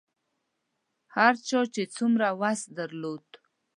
هر چا چې څومره وس درلود.